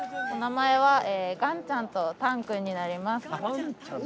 お名前はガンちゃんとタン君になります。